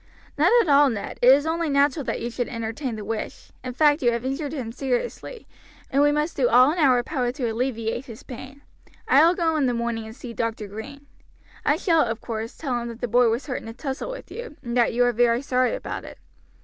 "None at all, Ned, it is only natural that you should entertain the wish; in fact you have injured him seriously, and we must do all in our power to alleviate his pain. I will go in the morning and see Dr. Green. I shall, of course, tell him that the boy was hurt in a tussle with you, and that you are very sorry about it.